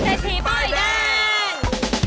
เศรษฐีป้ายแดง